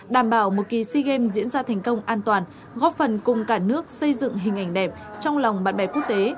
đảm bảo một kỳ sea games diễn ra thành công an toàn góp phần cùng cả nước xây dựng hình ảnh đẹp trong lòng bạn bè quốc tế